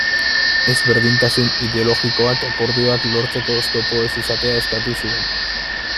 Ezberdintasun ideologikoak akordioak lortzeko oztopo ez izatea eskatu zuen.